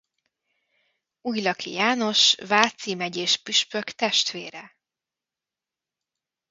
Újlaki János váci megyéspüspök testvére.